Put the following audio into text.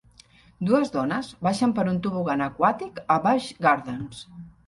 Dues dones baixen per un tobogan aquàtic a Busch Gardens.